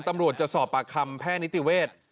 ตำรวจจะสอบปากคำแพทย์นิติเวทย์